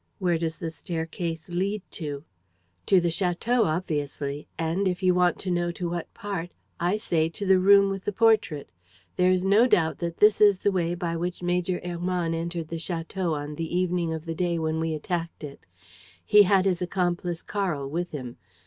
"Where does the staircase lead to?" "To the château, obviously. And, if you want to know to what part, I say, to the room with the portrait. There's no doubt that this is the way by which Major Hermann entered the château on the evening of the day when we attacked it. He had his accomplice Karl with him.